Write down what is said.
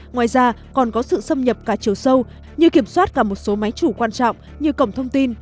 ngoài ra còn có sự xâm nhập cả chiều sâu như kiểm soát cả một số máy chủ quan trọng như cổng thông tin